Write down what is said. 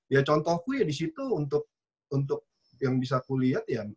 ya contohku ya di situ untuk yang bisa aku lihat ya